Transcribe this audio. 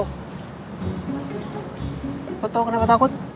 lo tau kenapa takut